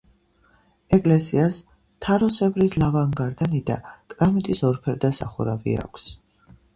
ეკლესიას თაროსებრი ლავგარდანი და კრამიტის ორფერდა სახურავი აქვს.